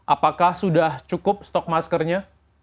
apakah sudah cukup stok maskernya